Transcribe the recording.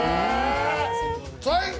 最高！